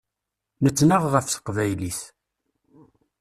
Nettnaɣ ɣef teqbaylit.